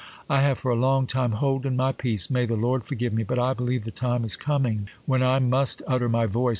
I have for a long time holden my peace—may the Lord forgive me!—but I believe the time is coming when I must utter my voice.